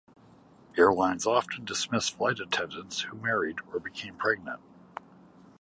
Airlines often dismissed flight attendants who married or became pregnant.